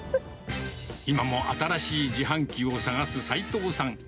今も新しい自販機を探す齋藤さん。